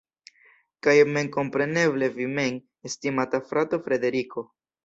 Kaj memkompreneble vi mem, estimata frato Frederiko.